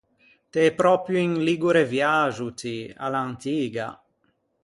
T’ê pròpio un ligure viaxo ti, à l’antiga.